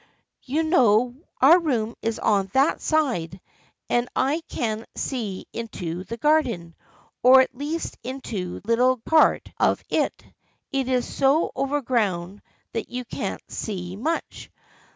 "" You know our room is on that side and I can see into the garden, or at least into a little part of it. It is so overgrown you can't see much.